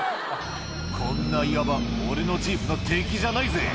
「こんな岩場俺のジープの敵じゃないぜ」